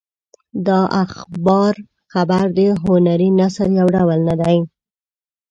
د اخبار خبر د هنري نثر یو ډول نه دی.